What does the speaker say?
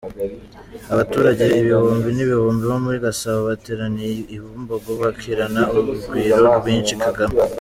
Abaturage ibihumbi n'ibihumbi bo muri Gasabo bateraniye i Bumbogo bakirana urugwiro rwinshi Kagame.